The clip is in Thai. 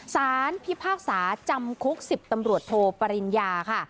สารพิพากษาจำคุก๑๐ตำรวจโทปริญญาค่ะ